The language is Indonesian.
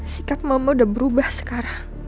sikap mama udah berubah sekarang